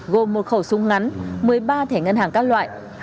gồm một khẩu súng ngắn một mươi ba thẻ ngân hàng các loại